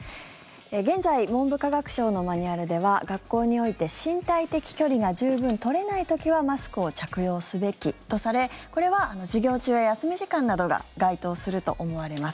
現在文部科学省のマニュアルでは学校において身体的距離が十分取れない時はマスクを着用すべきとされこれは授業中や休み時間などが該当すると思われます。